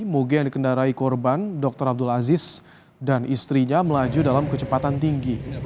moge yang dikendarai korban dr abdul aziz dan istrinya melaju dalam kecepatan tinggi